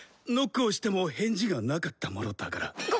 ノックをしても返事がなかったものだから。